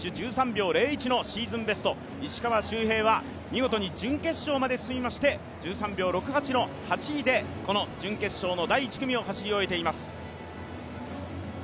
１３秒０１のシーズンベスト、石川周平は見事に準決勝まで進みまして１３秒６８の８位で準決勝第１組を走り終えています。